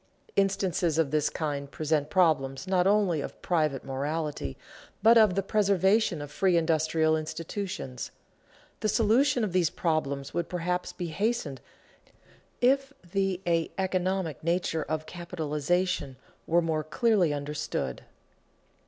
Instances of this kind present problems not only of private morality, but of the preservation of free industrial institutions. The solution of these problems would perhaps be hastened if the a economic nature of capitalization were more clearly understood.